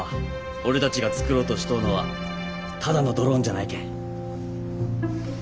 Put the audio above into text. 俺たちが作ろうとしとうのはただのドローンじゃないけん。